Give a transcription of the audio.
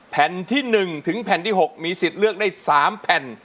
แผ่นที่๑ถึงแผ่นที่๖มีสิทธิ์เลือกได้๓แผ่น